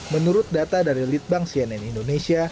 menurut data dari litbang cnn indonesia